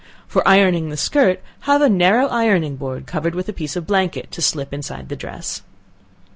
For ironing the skirt have a narrow ironing board, covered with a piece of blanket, to slip inside the dress.